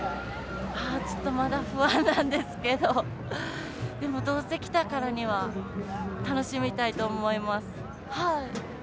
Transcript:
ちょっとまだ不安なんですけどでもどうせ来たからには楽しみたいと思います。